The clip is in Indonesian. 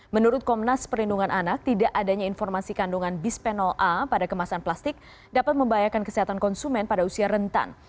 menurut komnas perlindungan anak tidak adanya informasi kandungan bisphenol a pada kemasan plastik dapat membahayakan kesehatan konsumen pada usia rentan